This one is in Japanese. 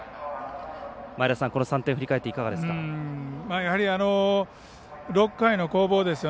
前田さん、この３点を振り返っていかがですか？